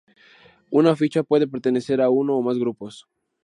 Una ficha puede pertenecer a uno o más grupos.